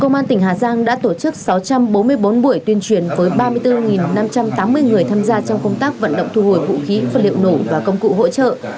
bốn buổi tuyên truyền với ba mươi bốn năm trăm tám mươi người tham gia trong công tác vận động thu hồi vũ khí vật liệu nổ và công cụ hỗ trợ